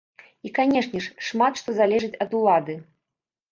І, канешне ж, шмат што залежыць ад улады.